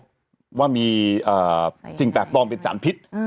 เพราะว่ามีสิ่งแปลกปลอมเป็นสารพิษ